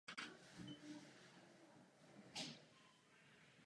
Nedokončené opera "Baltazar" zůstala v rukopise.